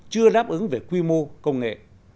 chưa đáp ứng về quy mô công nghệ